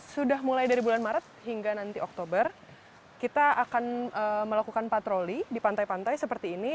sudah mulai dari bulan maret hingga nanti oktober kita akan melakukan patroli di pantai pantai seperti ini